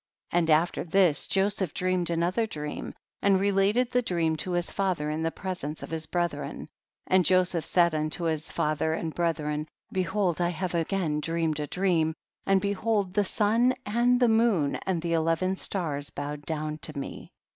14. And after this Joseph dreamed another dream and related the dream to his father in the presence of his brethren, and Joseph said unto his father and brethren, behold I have again dreamed a dream, and behold the sun and the moon and the eleven stars bowed down to me.